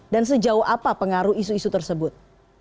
dan sejauh apa pengaruh isu isu tersebut